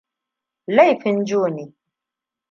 Laifin joe ne.